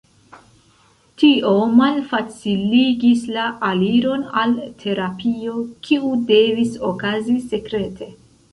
Tio malfaciligis la aliron al terapio, kiu devis okazi sekrete.